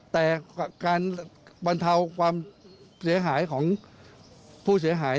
แต่การบรรเทาความเสียหายของผู้เสียหาย